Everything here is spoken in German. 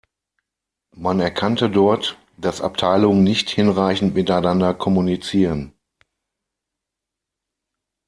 Man erkannte dort, dass Abteilungen nicht hinreichend miteinander kommunizieren.